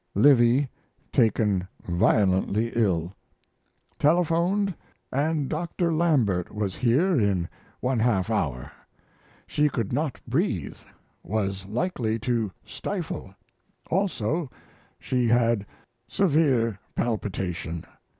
Livy taken violently ill. Telephoned and Dr. Lambert was here in 1/2 hour. She could not breathe was likely to stifle. Also she had severe palpitation.